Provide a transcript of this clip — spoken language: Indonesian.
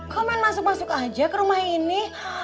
komen masuk masuk aja ke rumah ini